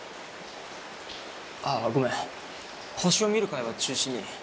あっごめん星を見る会は中止に。